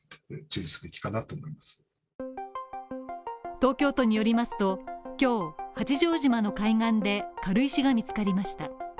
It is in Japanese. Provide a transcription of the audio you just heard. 東京都によりますと、東京八丈島の海岸で軽石が見つかりました。